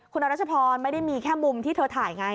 คุณอรัชพรไม่ได้มีแค่มุมที่เธอถ่ายไง